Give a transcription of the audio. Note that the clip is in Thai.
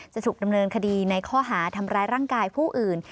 จะถูกดำเนินคดีในข้อหาทำร้ายร่างกายผู้อื่น